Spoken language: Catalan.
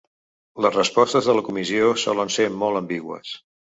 Les respostes de la comissió solen ser molt ambigües.